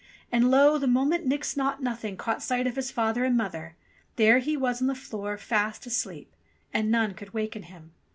And lo ! the moment Nix Naught Nothing caught sight of his father and mother, there he was on the floor fast asleep, and none could waken him